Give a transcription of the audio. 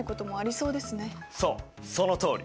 そうそのとおり！